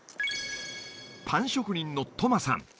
パン職人のトマさん